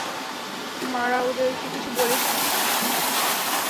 মারা, ওদেরকে কিছু বলিস না।